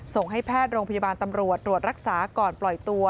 ส่งให้แพทย์โรงพยาบาลตำรวจตรวจรักษาก่อนปล่อยตัว